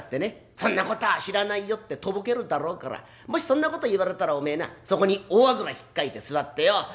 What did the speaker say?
そんなこたあ知らないよってとぼけるだろうからもしそんなこと言われたらおめえなそこに大あぐらひっかいて座ってよ